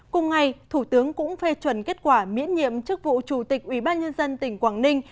cùng ngày thủ tướng cũng phê chuẩn kết quả miễn nhiệm chức vụ chủ tịch ủy ban nhân dân tỉnh quảng ninh